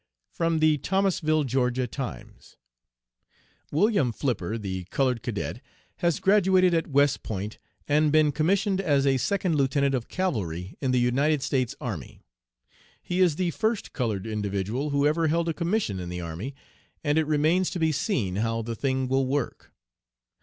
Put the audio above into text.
(From the Thomasville (Ga.) Times.) "Wm. Flipper, the colored cadet, has graduated at West Point and been commissioned as a second lieutenant of cavalry in the United States Army. He is the first colored individual who ever held a commission in the army, and it remains to be seen how the thing will work.